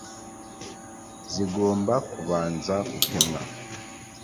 zigomba kubanza gupimwa